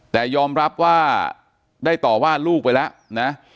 แต่ยอมรับว่าได้ต่อว่าลูกไปแล้วนะ